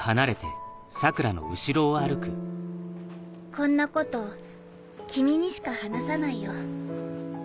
こんなこと君にしか話さないよ。